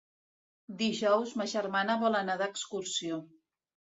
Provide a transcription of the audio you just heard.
Dijous ma germana vol anar d'excursió.